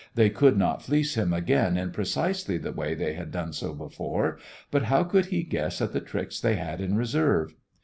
They could not fleece him again in precisely the way they had done so before; but how could he guess at the tricks they had in reserve?